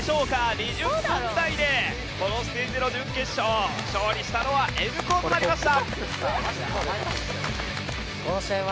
２０分台でこのステージの準決勝勝利したのはＮ高となりました。